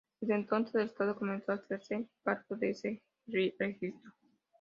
Desde entonces, el Estado comenzó a hacerse cargo de este registro.